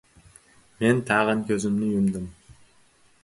Men tag‘in ko‘zimni yumdim.